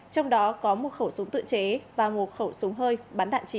trong đó có một khẩu súng tự chế và một khẩu súng hơi bắn đạn trì